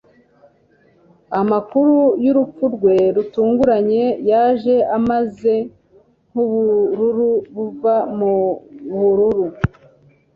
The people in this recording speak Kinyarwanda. amakuru yurupfu rwe rutunguranye yaje ameze nkubururu buva mubururu